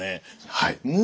はい。